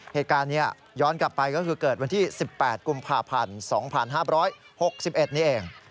เหตุการณ์นี้ย้อนกลับไปก็คือเกิดวันที่๑๘กุมภาพันธ์๒๕๖๑นี้เอง